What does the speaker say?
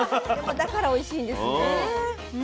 だからおいしいんですね。